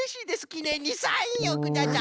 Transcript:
きねんにサインをください。